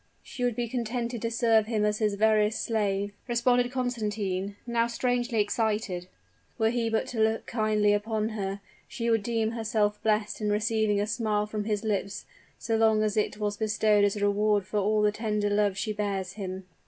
"She would be contented to serve him as his veriest slave," responded Constantine, now strangely excited, "were he but to look kindly upon her: she would deem herself blest in receiving a smile from his lips, so long as it was bestowed as a reward for all the tender love she bears him."